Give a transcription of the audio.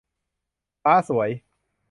ฟ้าสวย